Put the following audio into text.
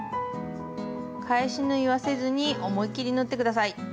返し縫いはせずに思いきり縫ってください。